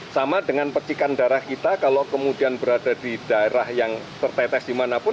sama dengan percikan darah kita kalau kemudian berada di daerah yang tertetes dimanapun